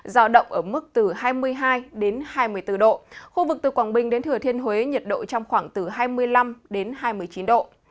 giao động ở mức từ hai mươi hai đến hai mươi bốn độ khu vực từ quảng bình đến thừa thiên huế nhiệt độ trong khoảng từ hai mươi năm đến hai mươi chín độ